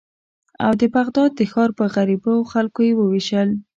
او د بغداد د ښار پر غریبو خلکو یې ووېشل.